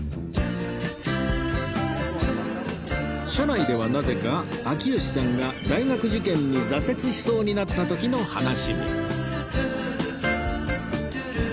車内ではなぜか秋吉さんが大学受験に挫折しそうになった時の話に